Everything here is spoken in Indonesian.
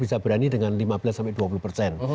bisa berani dengan lima belas sampai dua puluh persen